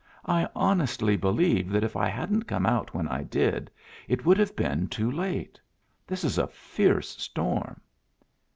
I honestly believe that if I hadn't come out when I did it would have been too late. This is a fierce storm."